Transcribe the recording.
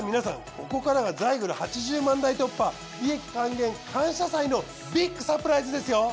ここからがザイグル８０万台突破利益還元感謝祭のビッグサプライズですよ！